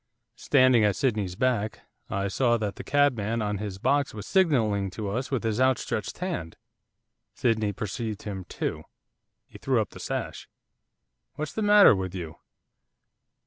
Standing at Sydney's back I saw that the cabman on his box was signalling to us with his outstretched hand. Sydney perceived him too. He threw up the sash. 'What's the matter with you?